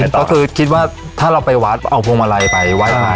ก็คิดว่าถ้าเราไปวัดเอาภูมาลัยไปไหว้ให้